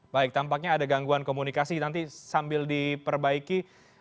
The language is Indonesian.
baik tampaknya ada gangguan komunikasi nanti sambil diperbaiki